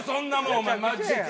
お前マジで。